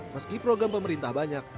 meski program pemerintah banyak